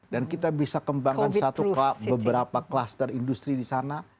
dan kita bisa kembangkan beberapa kluster industri di sana